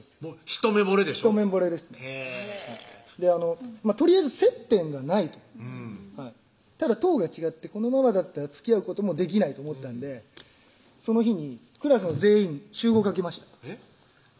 一目ぼれですねとりあえず接点がないとただ棟が違ってこのままだったらつきあうこともできないと思ったんでその日にクラスの全員に集合かけましたえっ？